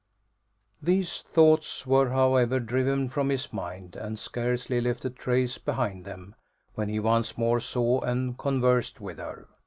These thoughts were, however, driven from his mind, and scarcely left a trace behind them, when he once more saw and conversed with her.